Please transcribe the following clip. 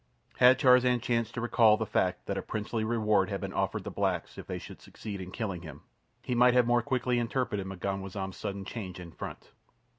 Had Tarzan chanced to recall the fact that a princely reward had been offered the blacks if they should succeed in killing him, he might have more quickly interpreted M'ganwazam's sudden change in front.